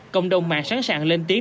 cộng đồng mạng sẵn sàng lên tiếng